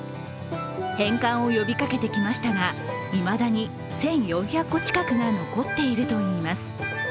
返還を呼びかけてきましたがいまだに１４００個近くが残っているといいます。